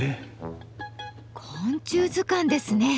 昆虫図鑑ですね。